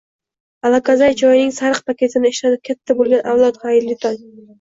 Alokozay choyining sariq paketini ishlatib katta bo'lgan avlod, xayrli tong!